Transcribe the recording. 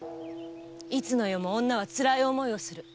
いつの世も女はつらい思いをする。